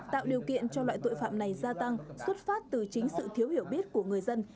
tạo điều kiện cho loại tội phạm này gia tăng xuất phát từ chính sự thiếu hiểu biết của người dân